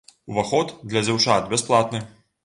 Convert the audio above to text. Уваход для дзяўчат бясплатны.